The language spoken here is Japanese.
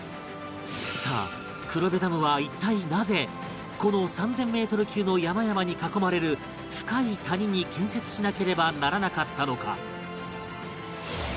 さあ黒部ダムは一体なぜこの３０００メートル級の山々に囲まれる深い谷に建設しなければならなかったのか？